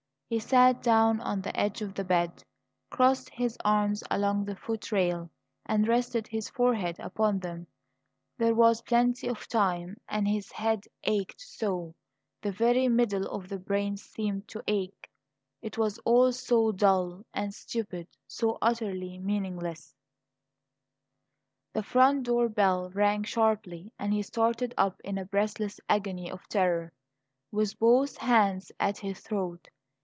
He sat down on the edge of the bed, crossed his arms along the foot rail, and rested his forehead upon them. There was plenty of time; and his head ached so the very middle of the brain seemed to ache; it was all so dull and stupid so utterly meaningless The front door bell rang sharply, and he started up in a breathless agony of terror, with both hands at his throat.